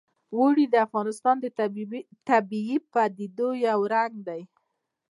اوړي د افغانستان د طبیعي پدیدو یو رنګ دی.